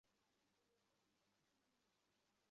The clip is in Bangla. সুতরাং বুদ্ধি ও স্থূলভূতের মধ্যে প্রভেদ কেবল মাত্রার তারতম্যে।